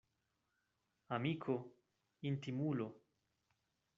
Amiko — intimulo.